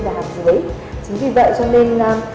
và hàm dưới chính vì vậy cho nên